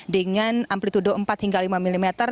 dengan amplitude empat hingga lima mm